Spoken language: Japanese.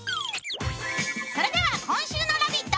それでは今週の「ラヴィット！」